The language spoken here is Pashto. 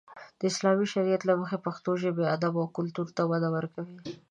د اسلامي شريعت له مخې پښتو ژبې، ادب او کلتور ته وده ورکو.